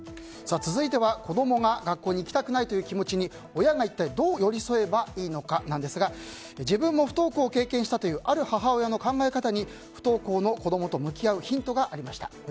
続いては子供が学校に行きたくないという気持ちに親が一体、どう寄り添えばいいのかなんですが自分も不登校を経験したというある母親の考え方に不登校の子供と向き合うヒントがありました。